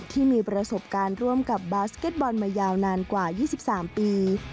ที่มีประสบการณ์ร่วมกับบาสเก็ตบอลมายาวนานกว่า๒๓ปี